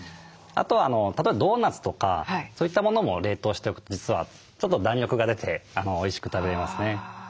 あとは例えばドーナツとかそういったものも冷凍しておくと実はちょっと弾力が出ておいしく食べれますね。